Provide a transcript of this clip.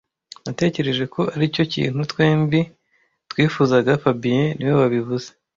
Natekereje ko aricyo kintu twembi twifuzaga fabien niwe wabivuze